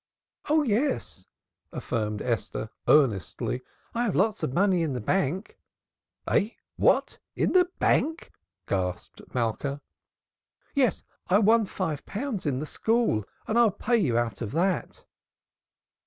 "Oh yes," affirmed Esther earnestly. "I have lots of money in the bank." "Eh! what? In the bank!" gasped Malka. "Yes. I won five pounds in the school and I'll pay you out of that."